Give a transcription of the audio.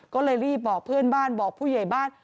ก็เลยรีบบอกเพื่อนบ้านบอกผู้ใหญ่บ้าน